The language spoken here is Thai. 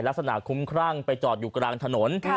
ลักษณะคุ้มครั่งไปจอดอยู่กลางถนน